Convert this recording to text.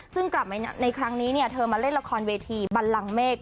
ซึ่งกลับมาในครั้งนี้เธอมาเล่นละครเวทีบันลังเมฆ